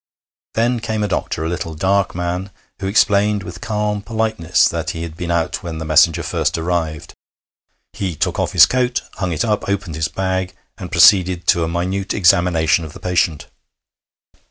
Then came a doctor, a little dark man, who explained with calm politeness that he had been out when the messenger first arrived. He took off his coat, hung it up, opened his bag, and proceeded to a minute examination of the patient.